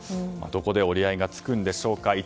どこで折り合いがつくんでしょうか。